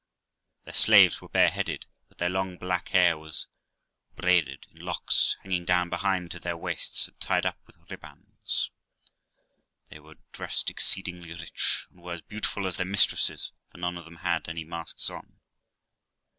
Their slaves were bareheaded, but their long, black hair was braided in locks hanging down behind to their waists, and tied up with ribands. They were dressed exceeding rich, and were as beautiful as their mistresses; for none of them had any masks on.